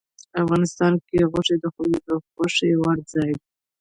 افغانستان کې غوښې د خلکو د خوښې وړ ځای دی.